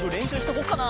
こうかな？